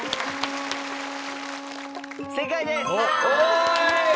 正解です。